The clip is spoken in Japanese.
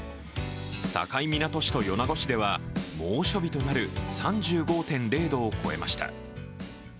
境港市と米子市では猛暑日となる３５．０度を超えました。